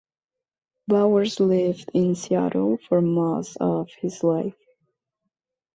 Bowers lived in Seattle for most of his life.